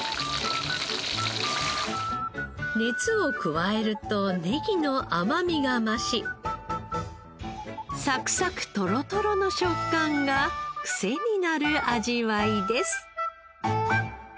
熱を加えるとネギの甘みが増しサクサクトロトロの食感がクセになる味わいです。